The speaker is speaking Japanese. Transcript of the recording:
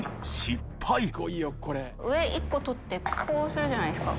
上１個取ってこうするじゃないですか。